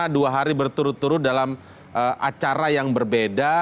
dari berturut turut dalam acara yang berbeda